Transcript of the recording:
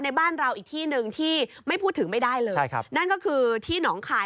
ในบ้านเราอีกที่หนึ่งที่ไม่พูดถึงไม่ได้เลย